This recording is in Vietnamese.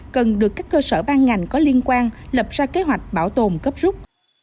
cần được các cơ sở ban ngành có liên quan lập ra kế hoạch bảo tồn cấp rút